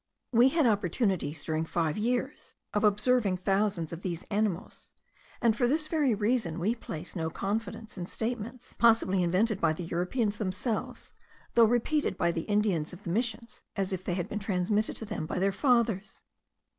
We had opportunities, during five years, of observing thousands of these animals; and for this very reason we place no confidence in statements possibly invented by the Europeans themselves, though repeated by the Indians of the Missions, as if they had been transmitted to them by their fathers.